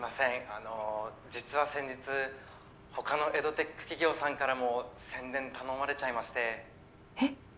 あの実は先日他のエドテック企業さんからも宣伝頼まれちゃいましてえっ？